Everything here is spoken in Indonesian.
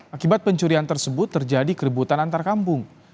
akibat pencurian tersebut terjadi keributan antar kampung